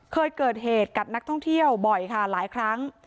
เคยเกิดเหตุกัดนักท่องเที่ยวบ่อยค่ะหลายครั้ง